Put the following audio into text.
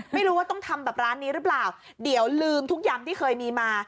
ไม่รู้ว่าต้องทำแบบร้านนี้หรือเปล่าเดี๋ยวลืมทุกยำที่เคยมีมา